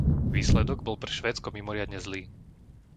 Výsledok bol pre Švédsko mimoriadne zlý.